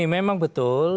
begini memang betul